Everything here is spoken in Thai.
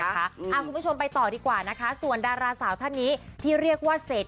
คุณผู้ชมไปต่อดีกว่านะคะส่วนดาราสาวท่านนี้ที่เรียกว่าเศษ